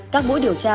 các mũi điều tra